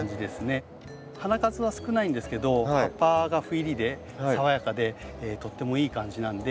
花数は少ないんですけど葉っぱが斑入りで爽やかでとってもいい感じなんで。